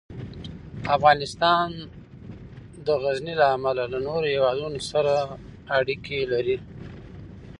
افغانستان د غزني له امله له نورو هېوادونو سره اړیکې لري.